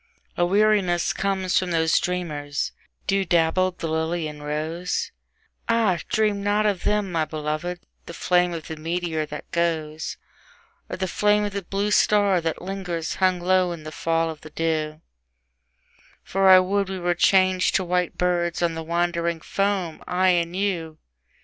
A weariness comes from those dreamers, dew dabbled, the lily and rose; Ah, dream not of them, my beloved, the flame of the meteor that goes, Or the flame of the blue star that lingers hung low in the fall of the dew: For I would we were changed to white birds on the wandering foam: I and you!